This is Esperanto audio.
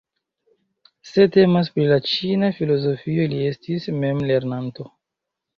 Se temas pri la ĉina filozofio li estis memlernanto.